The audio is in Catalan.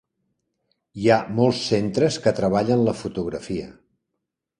Hi ha molts centres que treballen la fotografia.